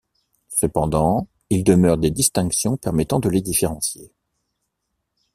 Cependant, il demeure des distinctions permettant de les différencier.